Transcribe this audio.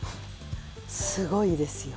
すごいですよ。